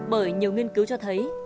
bởi nhiều nghiên cứu cho thấy